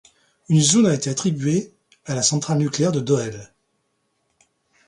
Une zone a été attribué à la centrale nucléaire de Doel.